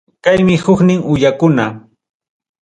Kaymi huknin uyakuna.